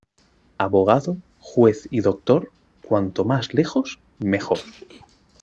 Abogado, juez y doctor, cuanto más lejos, mejor.